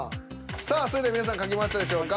さあそれでは皆さん書けましたでしょうか。